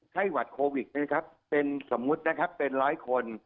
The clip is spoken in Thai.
ไข้หวัดโควิดนะครับเป็นสมมุตินะครับเป็นร้อยคน